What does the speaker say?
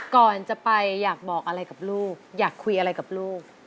ก่อนจะไปอยากบอกอะไรกับลูกอยากคุยอะไรกับลูก